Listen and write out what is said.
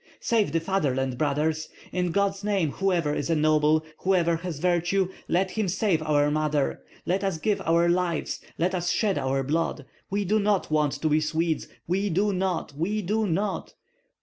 Save the fatherland, brothers! In God's name, whoever is a noble, whoever has virtue, let him save our mother. Let us give our lives, let us shed our blood! We do not want to be Swedes; we do not, we do not!